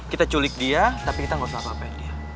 kita culik dia tapi kita gak usah ngapa ngapain dia